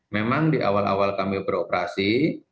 memang di awal awal kami beroperasi